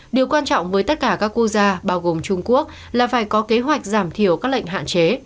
điều quan trọng với tất cả các quốc gia bao gồm trung quốc là phải có kế hoạch giảm thiểu các lệnh hạn chế